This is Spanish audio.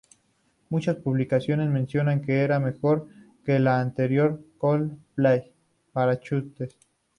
Muchas publicaciones mencionaron que era mejor que el anterior de Coldplay, "Parachutes".